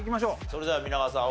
それでは皆川さん